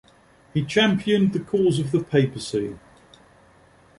He championed the cause of the papacy.